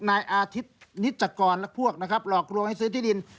นายอาทิตย์นิจกรพวกลอกลวงให้ซื้อที่ดิน